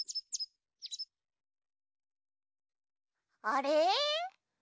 あれ？